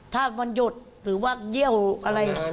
ถ้าวันหยุดหรือว่าเยี่ยวอะไร